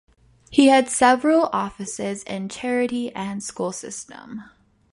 He had several offices in charity and school system.